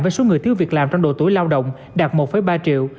với số người thiếu việc làm trong độ tuổi lao động đạt một ba triệu